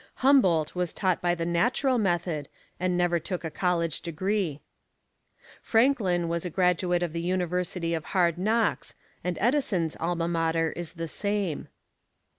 Humboldt was taught by the "natural method," and never took a college degree. Franklin was a graduate of the University of Hard Knocks, and Edison's Alma Mater is the same.